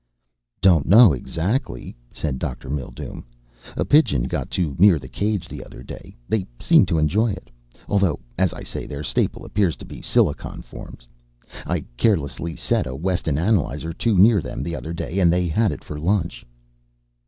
"Don't know exactly," said Dr. Mildume. "A pigeon got too near the cages the other day. They seemed to enjoy it. Although, as I say, their staple appears to be silicon forms. I carelessly set a Weston analyzer too near them the other day and they had it for lunch."